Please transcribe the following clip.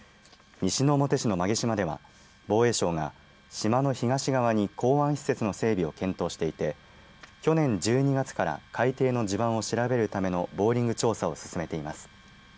西之表市の馬毛島では防衛省が島の東側に港湾施設の整備を検討していて去年１２月から海底の地盤を調べるためのボーリング調査を進めています。